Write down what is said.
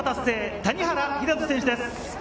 谷原秀人選手です。